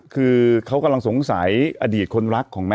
คือเขากำลังสงสัยอดีตคนรักของแม่